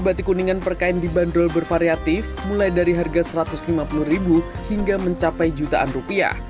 batik kuningan perkain di bandrol bervariatif mulai dari harga rp satu ratus lima puluh hingga mencapai jutaan rupiah